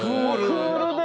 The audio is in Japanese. クールで。